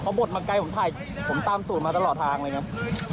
บดมาไกลผมถ่ายผมตามสูตรมาตลอดทางเลยครับ